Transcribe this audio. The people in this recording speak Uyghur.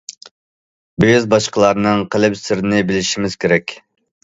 بىز باشقىلارنىڭ قەلب سىرىنى بىلىشىمىز كېرەك.